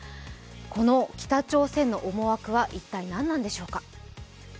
この北朝鮮の思惑は一体何なんでしょうか？